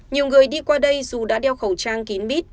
nhiều người đi qua đây dù đã đeo khẩu trang kín mít